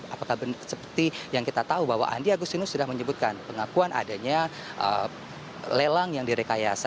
apakah seperti yang kita tahu bahwa andi agustinus sudah menyebutkan pengakuan adanya lelang yang direkayasa